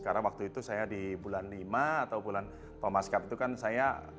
karena waktu itu saya di bulan lima atau bulan pemaskap itu kan saya